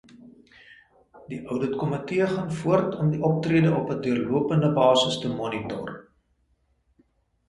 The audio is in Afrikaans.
Die Ouditkomitee gaan voort om die optrede op 'n deurlopende basis te monitor.